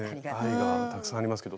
愛がたくさんありますけど。